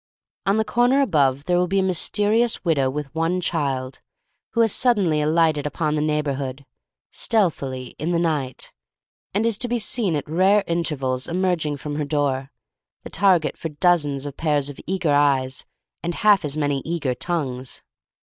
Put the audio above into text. On the corner above there will be a mysterious widow with one child, who has suddenly alighted upon the neighborhood, stealthily in the night, and is to be seen at rare intervals emerging from her door— the target for dozens of pairs of eager eyes and half as many eager tongues.